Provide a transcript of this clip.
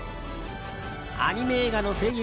アニメ映画の声優